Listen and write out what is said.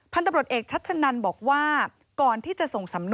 ตำรวจเอกชัชนันบอกว่าก่อนที่จะส่งสำนวน